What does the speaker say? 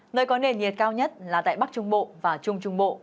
nơi có nền nhiệt cao nhất là tại bắc trung bộ và trung trung bộ